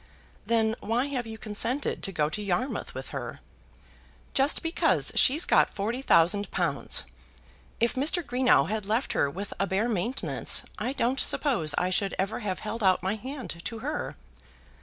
"Then why have you consented to go to Yarmouth with her?" "Just because she's got forty thousand pounds. If Mr. Greenow had left her with a bare maintenance I don't suppose I should ever have held out my hand to her."